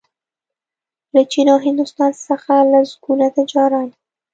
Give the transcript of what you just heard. له چین او هندوستان څخه لسګونه تجاران